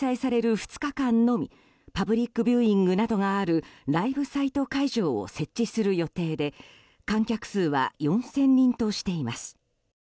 ２日間のみパブリックビューイングなどがあるライブサイト会場を設置する予定で観客数は４０００人としています。